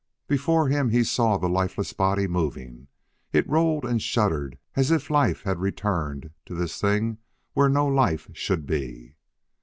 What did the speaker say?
Before him he saw the lifeless body moving; it rolled and shuddered as if life had returned to this thing where no life should be.